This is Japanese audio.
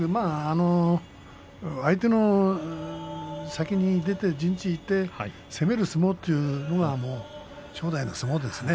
相手の先に出て陣地にいって攻める相撲というのが正代の相撲ですね。